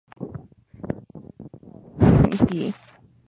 Whereupon he called out, I am he!